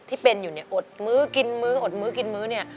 ที่เป็นอยู่เนี่ยอดมื้อกินมื้ออดมื้อกินมื้อเนี่ย